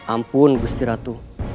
ampun gusti ratu